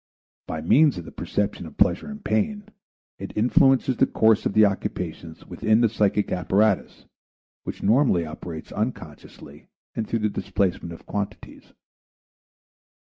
By means of the perceptions of pleasure and pain, it influences the course of the occupations within the psychic apparatus, which normally operates unconsciously and through the displacement of quantities.